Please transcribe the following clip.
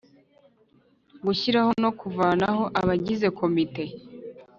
gushyiraho no kuvanaho abagize komite